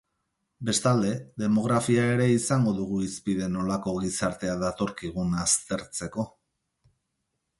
Bestalde, demografia ere izango dugu hizpide nolako gizartea datorkigun aztertzeko.